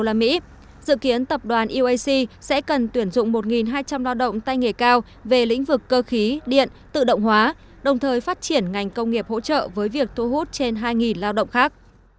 dự kiến tập đoàn wac sẽ cần tuyển dụng một hai trăm linh lao động tay nghề cao về lĩnh vực cơ khí điện tự động hóa đồng thời phát triển ngành công nghiệp hỗ trợ với việc thu hút trên hai lao động khác